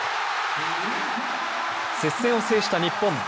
接戦を制した日本。